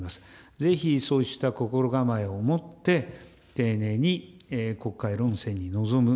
ぜひそうした心構えを持って、丁寧に国会論戦に臨む。